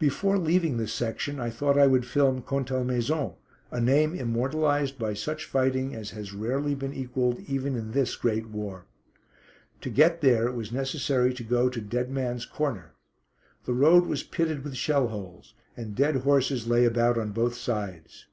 Before leaving this section I thought I would film Contalmaison, a name immortalised by such fighting as has rarely been equalled even in this great war. To get there it was necessary to go to "Dead Man's Corner." The road was pitted with shell holes, and dead horses lay about on both sides.